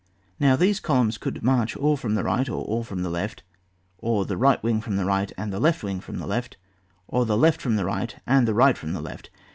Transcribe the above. Now these columns could march off all from the right or all from the left, or the right wing from the right, the left wing from the left, or the left from the right, and the right from the left.